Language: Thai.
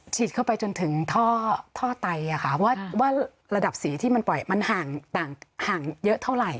ฉีดเข้าไปจนถึงท่อไตค่ะว่าระดับสีที่มันปล่อยมันห่างเยอะเท่าไหร่